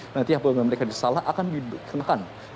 nanti apabila mereka disalah akan dikenakan